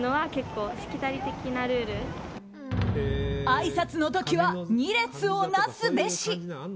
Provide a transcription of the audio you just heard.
あいさつの時は２列を成すべし。